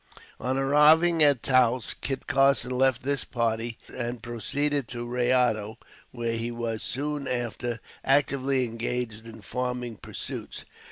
On arriving at Taos, Kit Carson left this party and proceeded to Rayado, where he was, soon after, actively engaged in farming pursuits.